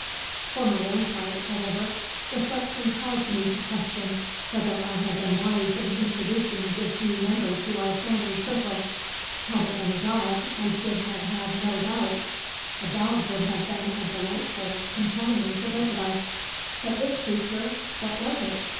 For my own part, however, reflection caused me to question whether I had been wise in introducing this new member to our family circle. Had it been a dog I should have had no doubts; a dog would have been a delightful companion for both of us, but this creature what was it?